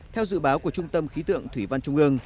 theo dự báo của trung tâm khí tượng thủy văn trung ương